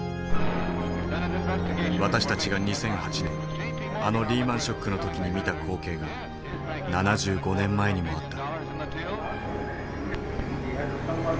私たちが２００８年あのリーマンショックの時に見た光景が７５年前にもあった。